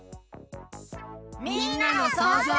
みんなのそうぞう。